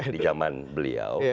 di zaman beliau